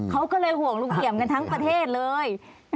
เขาก็เลยห่วงลุงเอี่ยมกันทั้งประเทศเลย